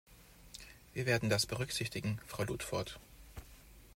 Wir werden das berücksichtigen, Frau Ludford.